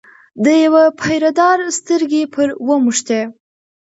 د یوه پیره دار سترګې پر وموښتې.